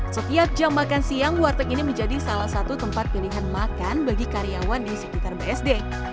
setiap jam makan siang warteg ini menjadi salah satu tempat pilihan makan bagi karyawan di sekitar bsd